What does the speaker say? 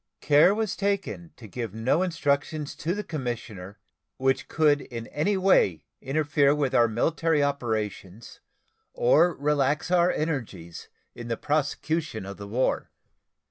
Care was taken to give no instructions to the commissioner which could in any way interfere with our military operations or relax our energies in the prosecution of the war.